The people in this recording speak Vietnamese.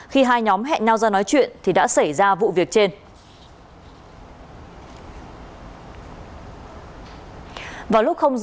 khi hai nhóm hẹn nhau ra nói chuyện thì đã xảy ra vụ việc trên